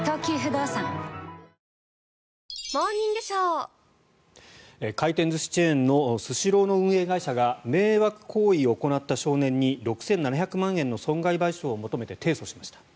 わかるぞ回転寿司チェーンのスシローの運営会社が迷惑行為を行った少年に６７００万円の損害賠償を求めて提訴しました。